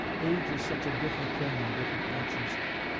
Age is such a different thing in different natures!